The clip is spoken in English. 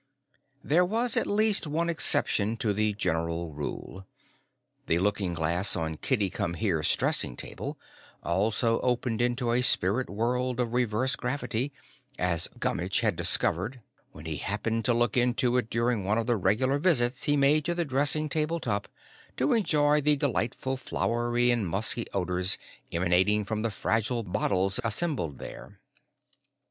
There was at least one exception to the general rule. The looking glass on Kitty Come Here's dressing table also opened into a spirit world of reverse gravity, as Gummitch had discovered when he happened to look into it during one of the regular visits he made to the dressing table top, to enjoy the delightful flowery and musky odors emanating from the fragile bottles assembled there.